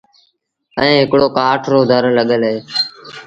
ائيٚݩ هڪڙو ڪآٺ رو در لڳل اهي۔